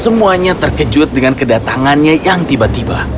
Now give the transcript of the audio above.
semuanya terkejut dengan kedatangannya yang tiba tiba